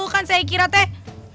kan saya kira teh